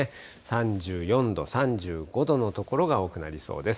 ３４度、３５度の所が多くなりそうです。